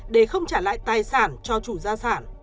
để không trả lại tài sản cho chủ gia sản